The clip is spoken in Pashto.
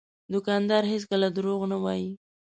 دوکاندار هېڅکله دروغ نه وایي.